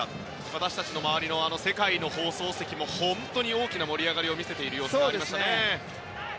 私たちの周りの世界の放送席も本当に大きな盛り上がりを見せていました。